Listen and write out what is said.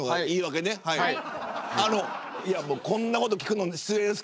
いやもうこんなこと聞くの失礼ですけど